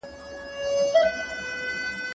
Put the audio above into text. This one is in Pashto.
زه به ليکلي پاڼي ترتيب کړي وي